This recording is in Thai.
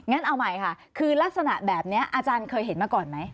เอาใหม่ค่ะคือลักษณะแบบนี้อาจารย์เคยเห็นมาก่อนไหม